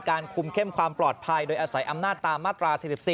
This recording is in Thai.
คุมเข้มความปลอดภัยโดยอาศัยอำนาจตามมาตรา๔๔